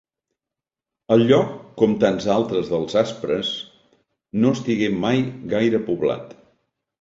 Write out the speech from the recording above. El lloc, com tants altres dels Aspres, no estigué mai gaire poblat.